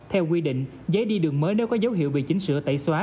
theo quy định giấy đi đường mới nếu có dấu hiệu bị chỉnh sửa tẩy xóa